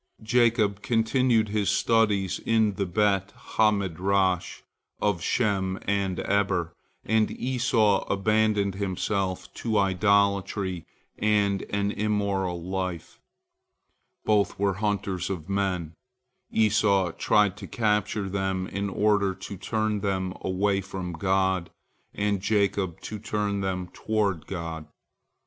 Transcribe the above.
Jacob continued his studies in the Bet ha Midrash of Shem and Eber, and Esau abandoned himself to idolatry and an immoral life. Both were hunters of men, Esau tried to capture them in order to turn them away from God, and Jacob, to turn them toward God.